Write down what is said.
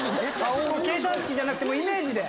計算式じゃなくてイメージで？